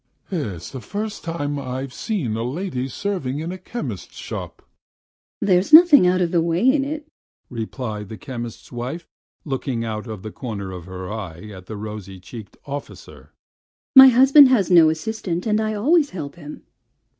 "It's the first time I've seen a lady serving in a chemist's shop," observed the doctor. "There's nothing out of the way in it," replied the chemist's wife, looking out of the corner of her eye at the rosy cheeked officer. "My husband has no assistant, and I always help him."